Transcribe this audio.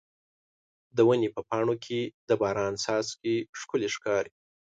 د ونې په پاڼو کې د باران څاڅکي ښکلي ښکاري.